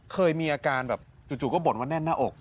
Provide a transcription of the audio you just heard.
เคยมีอาการแบบจู่ก็บ่นว่าแน่นหน้าอก